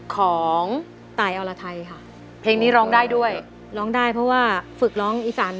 ของตายอรไทยค่ะเพลงนี้ร้องได้ด้วยร้องได้เพราะว่าฝึกร้องอีสาน